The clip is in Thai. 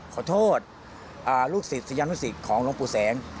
ขอโทษลูกศิษย์สยานลูกศิษย์ของลงปู่แสง